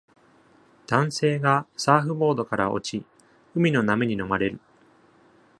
男性がサーフボードから落ち、海の波に飲まれる。